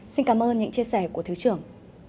xin cảm ơn những chia sẻ của thứ trưởng